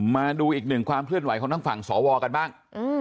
มาดูอีกหนึ่งความเคลื่อนไหวของทางฝั่งสวกันบ้าง